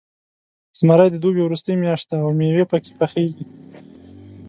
زمری د دوبي وروستۍ میاشت ده، او میوې پکې پاخه کېږي.